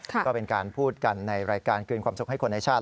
ก็เป็นการพูดกันในรายการคืนความสุขให้คนในชาติ